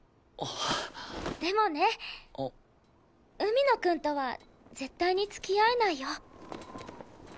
でもね海野くんとは絶対に付き合えないよ。